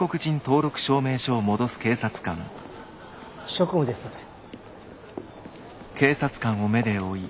職務ですので。